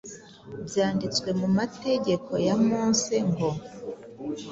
Byanditswe mu mategeko ya Mose ngo